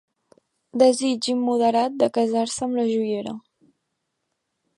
Desig immoderat de casar-se amb la joiera.